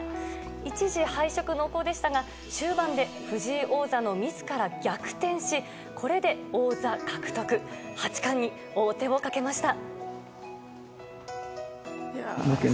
一時、敗色濃厚でしたが終盤で永瀬王座のミスから逆転しこれで王座獲得、八冠に王手をかけました。